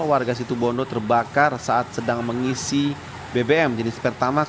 warga situ bondo terbakar saat sedang mengisi bbm jenis pertamak